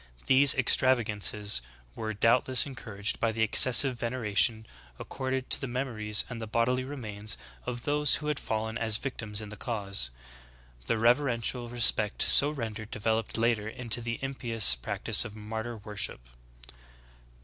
These extravagances were doubtless encouraged by the excessive veneration accorded the memories and the bodily remains of those who had JkSee Note 1, end of chapter. INTERNAL CAUSES. 83 fallen as victims in the cause. The reverential respect so rendered developed later into the impious practice of martyr worship.